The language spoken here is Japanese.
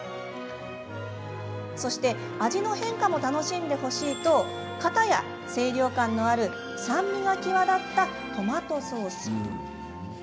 そして、味の変化も楽しんでほしいと、かたや清涼感のある酸味が際立ったトマトソース。